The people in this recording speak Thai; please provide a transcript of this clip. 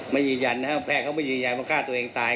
ไม่ยืนยันไม่ยืนยันนะฮะแพทย์เขาไม่ยืนยันว่าฆ่าตัวเองตาย